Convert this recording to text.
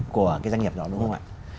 của cái doanh nghiệp đó đúng không ạ